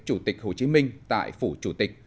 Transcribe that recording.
chủ tịch hồ chí minh tại phủ chủ tịch